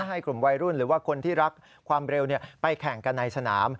ให้กลุ่มวัยรุ่นหรือว่าคนที่รักความเร็วไปแข่งกันในสนาม